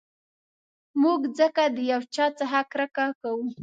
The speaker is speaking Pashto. موږ ځکه د یو چا څخه کرکه کوو.